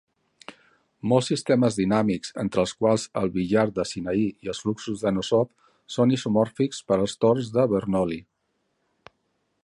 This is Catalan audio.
Molts sistemes dinàmics, entre els quals el billar de Sinaí i els fluxos d'Anosov són isomòrfics per als torns de Bernoulli.